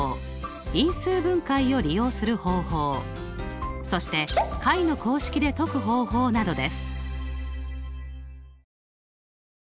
因数分解を利用する方法そして解の公式で解く方法などです。